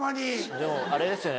でもあれですよね